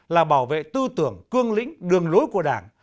là bảo vệ tư tưởng cương lĩnh đường lối của đảng